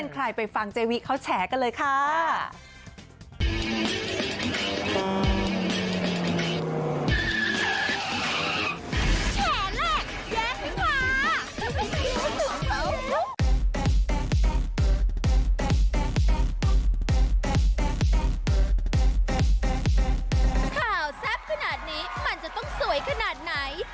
ข่าวแซ่บขนาดนี้มันจะต้องสวยขนาดไหน